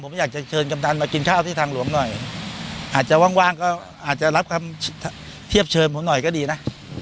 ผมอยากจะเชิญกำดันมากินข้าวที่ทางหลวงหน่อยอาจจะว่างก็อาจจะรับคำเทียบเชิญผมหน่อยก็ดีนะ